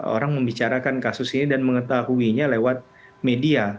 orang membicarakan kasus ini dan mengetahuinya lewat media